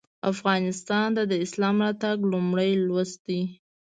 افغانستان ته د اسلام راتګ لومړی لوست دی.